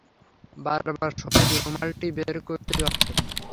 বারবার সবুজ রুমালটি বের করতে হচ্ছে।